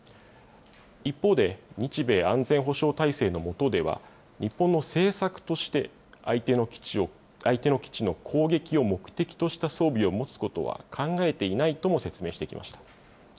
一方で、日米安全保障体制のもとでは、日本の政策として、相手の基地の攻撃を目的とした装備を持つことは考えていないとも説明してきました。